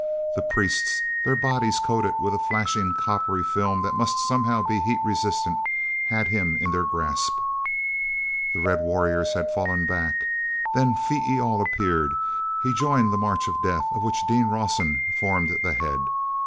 The priests, their bodies coated with a flashing coppery film that must somehow be heat resistant, had him in their grasp. The red warriors had fallen back. Then Phee e al appeared; he joined the march of death of which Dean Rawson formed the head.